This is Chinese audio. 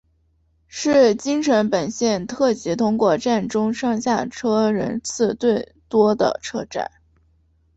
是京成本线特急通过站中上下车人次最多的车站。